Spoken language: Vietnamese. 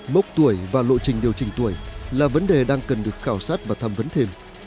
mốc tuổi và lộ trình điều chỉnh tuổi là vấn đề đang cần được khảo sát và tham vấn thêm